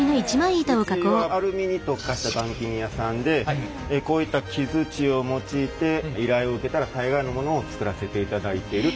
うちはアルミに特化した板金屋さんでこういった木づちを用いて依頼を受けたら大概のものを作らせていただいてる。